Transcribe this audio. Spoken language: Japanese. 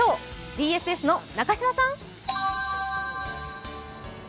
ＢＳＳの中島さん。